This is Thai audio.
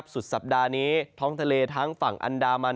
สุดสัปดาห์นี้ท้องทะเลทั้งฝั่งอันดามัน